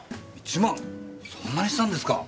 そんなにしたんですか？